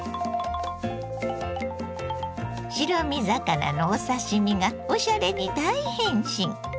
白身魚のお刺身がおしゃれに大変身。